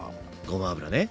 ごま油ね。